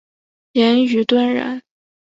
严虞敦人。